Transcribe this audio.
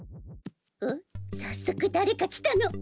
おっ早速誰か来たの。